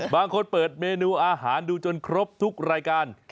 บางคนเปิดเมนูอาหารดูจนครบทุกรายการ